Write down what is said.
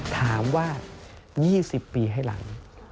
ถามว่า๒๐ปีให้หลัง